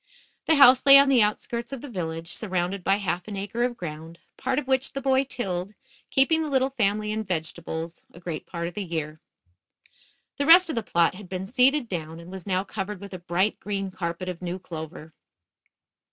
The house lay on the outskirts of the village, surrounded by half an acre of ground, part of which the boy tilled, keeping the little family in vegetables a great part of the year. The rest of the plot had been seeded down, and was now covered with a bright green carpet of new clover.